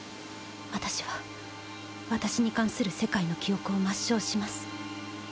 私は私に関する世界の記憶を抹消します。